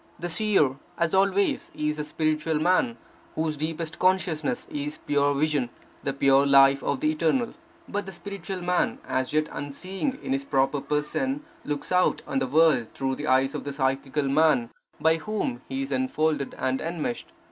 The Seer, as always, is the spiritual man whose deepest consciousness is pure vision, the pure life of the eternal. But the spiritual man, as yet unseeing in his proper person, looks out on the world through the eyes of the psychical man, by whom he is enfolded and enmeshed.